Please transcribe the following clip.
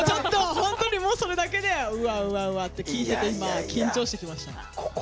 本当にそれだけでうわうわうわって聞いてて、緊張してきました。